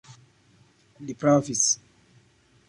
Li pravis.